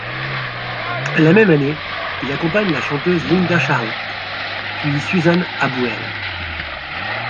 La même année, il accompagne la chanteuse Linda Sharrock, puis Suzanne Abbuehl.